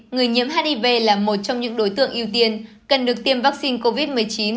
người nhiễm hiv là một trong những đối tượng ưu tiên cần được tiêm vaccine covid một mươi chín